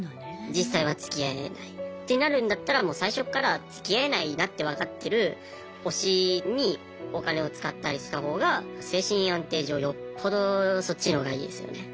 実際はつきあえないってなるんだったらもう最初っからつきあえないなって分かってる推しにお金を使ったりした方が精神安定上よっぽどそっちの方がいいですよね